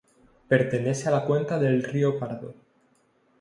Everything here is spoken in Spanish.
Pertenece a la cuenca del Río Pardo.